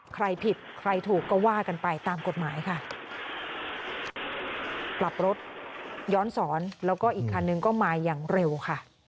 ใครผิดใครถูกก็ว่ากันไปตามกฎหมายค่ะปรับรถย้อนสอนแล้วก็อีกคันนึงก็มาอย่างเร็วค่ะ